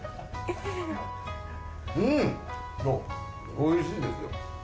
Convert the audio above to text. おいしいですよ。